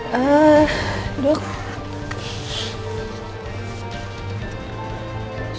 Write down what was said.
yang lainnya aja